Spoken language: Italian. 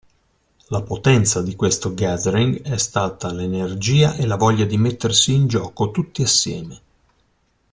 La potenza di questo Gathering è stata l'energia e la voglia di mettersi in gioco tutti assieme.